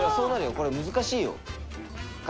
これ難しいよ。